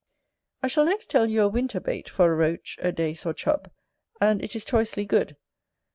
I shall next tell you a winter bait for a Roach, a Dace, or Chub; and it is choicely good.